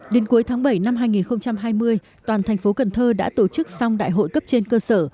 đến cuối tháng bảy năm hai nghìn hai mươi toàn thành phố cần thơ đã tổ chức xong đại hội cấp trên cơ sở